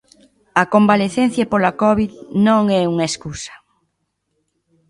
A convalecencia pola Covid non é unha escusa.